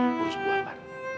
aku harus ke bu ambar